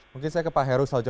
mungkin saya ke pak heru salju